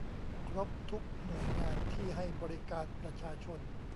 ครบทุกหน่วยงานที่ให้บริการประชาชน